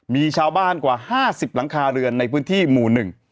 มีชาวบ้านกว่า๕๐หลังคาเรือนในพื้นที่หมู่๑